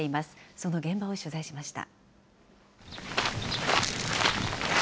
その現場を取材しました。